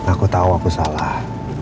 aku tahu aku salah